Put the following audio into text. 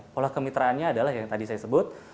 pola kemitraannya adalah yang tadi saya sebut